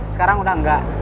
sekarang udah enggak